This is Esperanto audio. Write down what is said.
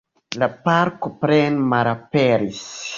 La parko plene malaperis.